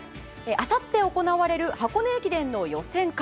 あさって行われる箱根駅伝の予選会。